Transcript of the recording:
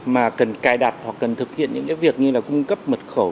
mà cần cài đặt hoặc cần thực hiện những cái việc như là cung cấp mật khẩu